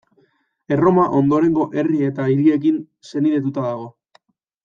Erroma ondorengo herri eta hiriekin senidetuta dago.